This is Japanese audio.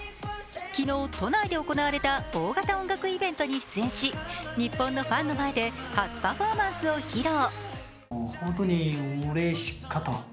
昨日都内で行われた大型音楽イベントに出演し、日本のファンの前で初パフォーマンスを披露。